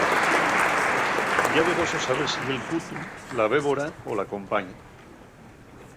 Ye abegoso saber si ye'l cutu, la bébora o la compaña.